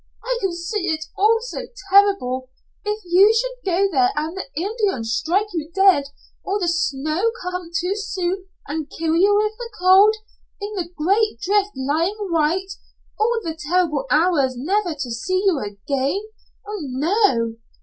"I can see it all so terrible. If you should go there and the Indian strike you dead or the snow come too soon and kill you with the cold in the great drift lying white all the terrible hours never to see you again Ah, no!"